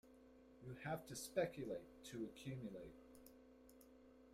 You have to speculate, to accumulate.